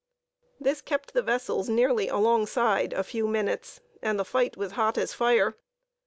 This kept the vessels nearly alongside a few minutes, and the fight was hot as fire.